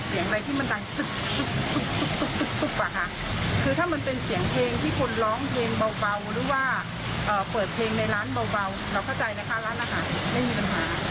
เราเข้าใจนะคะร้านอาหารไม่มีปัญหา